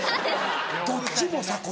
どっちも「さ骨」。